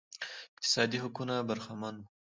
اقتصادي حقونو برخمن وو